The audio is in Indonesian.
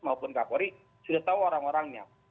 maupun kapolri sudah tahu orang orangnya